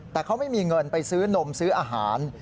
แต่เขาไม่มีเงินไปซื้อนมซื้ออาหาร